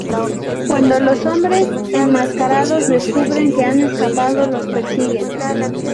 Cuando los hombres enmascarados descubren que han escapado los persiguen.